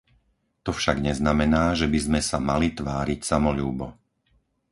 To však neznamená, že by sme sa mali tváriť samoľúbo.